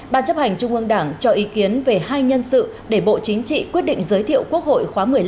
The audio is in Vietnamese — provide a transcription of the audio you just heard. ban chấp hành trung ương đảng cho ý kiến về hai nhân sự để bộ chính trị quyết định giới thiệu quốc hội khóa một mươi năm